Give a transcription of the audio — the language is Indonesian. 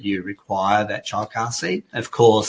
bahwa anda memerlukan tempat penyelamatan anak anak